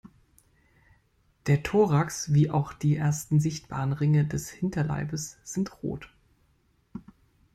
Der Thorax, wie auch die ersten sichtbaren Ringe des Hinterleibes, sind rot.